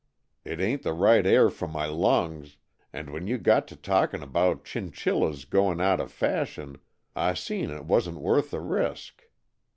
It ain't the right air for my lungs, and when you got to talking about chinchillas going out of fashion, I seen it wasn't worth the risk.